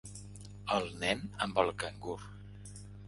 El nen amb el cangur.